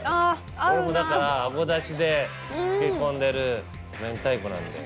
これもだからあごだしで漬け込んでる明太子なんで。